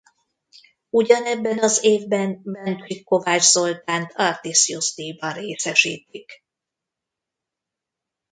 Ugyanebben az évben Bencsik Kovács Zoltánt Artisjus-dijban részesítik.